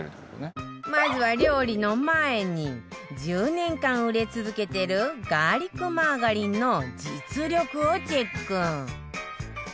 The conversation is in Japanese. まずは料理の前に１０年間売れ続けてるガーリックマーガリンの実力をチェック